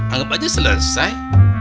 anggap aja selesai